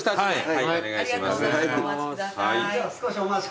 はい。